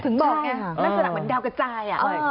ถึงบอกน่ะนักศึกษาเหมือนดาวกระจาย